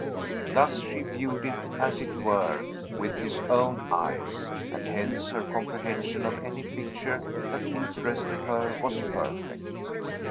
Thus she viewed it, as it were, with his own eyes, and hence her comprehension of any picture that interested her was perfect.